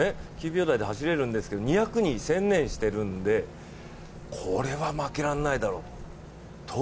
９秒台で走れるんですけど２００に専念しているんで、これは負けられないだろうと。